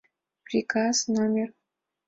ПРИКАЗ №...»